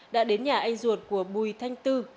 đã đến nhà anh ruột của bùi thanh tư